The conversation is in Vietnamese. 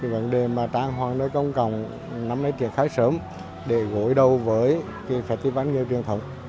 vấn đề trang hoạt nơi công cộng nắm lấy truyền khá sớm để gối đầu với phật tư văn nghiêm truyền thống